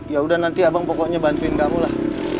yaudah nanti abang pokoknya bantuin kamu lah